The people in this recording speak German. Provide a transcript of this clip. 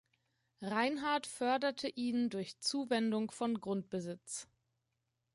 Reinhard förderte ihn durch Zuwendung von Grundbesitz.